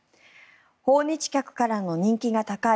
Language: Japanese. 訪日客からも人気が高い